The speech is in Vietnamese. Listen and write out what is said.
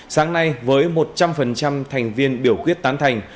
sáng nay với một trăm linh thành viên biểu quyết tán thành